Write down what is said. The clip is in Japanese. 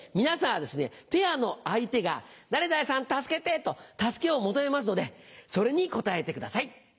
皆さんはペアの相手が「誰々さん助けて」と助けを求めますのでそれに答えてください。